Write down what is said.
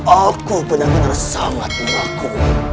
aku benar benar sangat mengaku